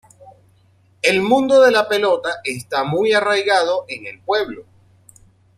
El mundo de la pelota está muy arraigado en el pueblo.